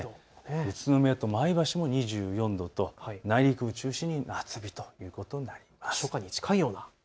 宇都宮と前橋も２４度と内陸部中心に夏日ということになります。